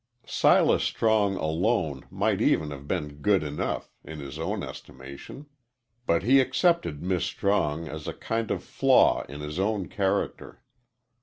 Silas Strong alone might even have been "good enough," in his own estimation, but he accepted "Mis' Strong" as a kind of flaw in his own character.